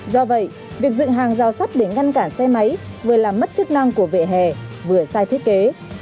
do vậy việc dựng hàng giao sát để ngăn cản xe máy vừa làm mất chức năng của vẻ hè vừa sai thiết kế